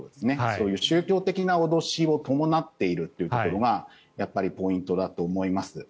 そういう宗教的な脅しを伴っているというところがやっぱりポイントだと思います。